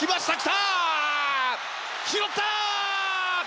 拾った！